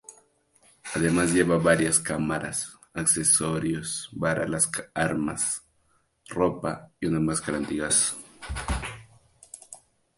Además llevaba varias cámaras, accesorios para las armas, ropa y una máscara antigás.